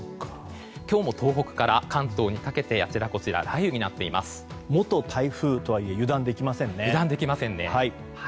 今日も東北から関東にかけてあちらこちらで元台風とはいえ油断できませんね。